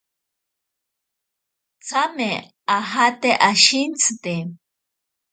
Tsame ajate ashintsite.